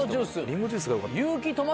リンゴジュースがよかった。